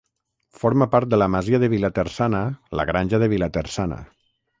Forma part de la masia de Vilaterçana la Granja de Vilaterçana.